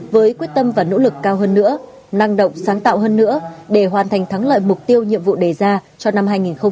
với quyết tâm và nỗ lực cao hơn nữa năng động sáng tạo hơn nữa để hoàn thành thắng lợi mục tiêu nhiệm vụ đề ra cho năm hai nghìn hai mươi